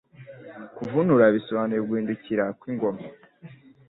Kuvunura bisobanuye Guhindukira kw'ingoma